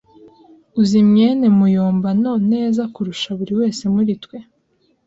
Uzi mwene muyombano neza kurusha buri wese muri twe.